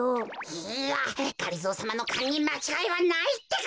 いいやがりぞーさまのかんにまちがいはないってか！